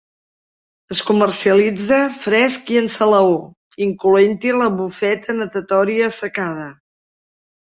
Es comercialitza fresc i en salaó, incloent-hi la bufeta natatòria assecada.